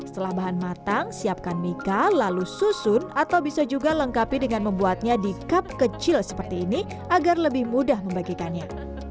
setelah bahan matang siapkan mica lalu susun atau bisa juga lengkapi dengan membuatnya di cup kecil seperti ini agar lebih mudah membagikannya